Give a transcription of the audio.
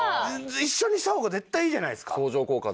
一緒にした方が絶対いいじゃないですか。